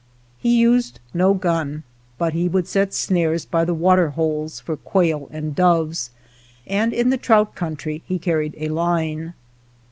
He used no gun, but he would set snares by the water holes for quail and doves, and in the trout country he carried a line.